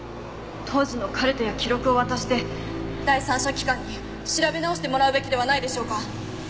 当時のカルテや記録を渡して第三者機関に調べ直してもらうべきではないでしょうか？